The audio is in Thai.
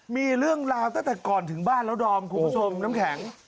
จากก่อนถึงบ้านแล้วดอง